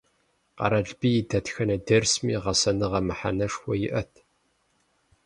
Къэралбий и дэтхэнэ дерсми гъэсэныгъэ мыхьэнэшхуэ иӀэт.